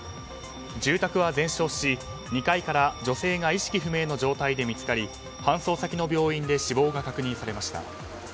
住宅は全焼し、２階から女性が意識不明の状態で見つかり搬送先の病院で死亡が確認されました。